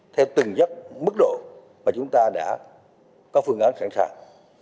theo từng giấc mức độ mà chúng ta đã có phương án sẵn sàng